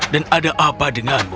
dan ada apa denganmu